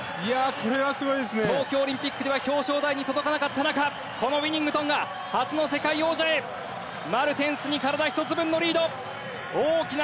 東京オリンピックでは表彰台に届かなかった中ウィニングトンが初の世界王者へマルテンスに体１つ分のリード。